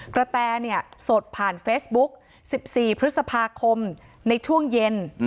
กระแตรเนี่ยสดผ่านเฟซบุ๊ค๑๔พฤษภาคมในช่วงเย็น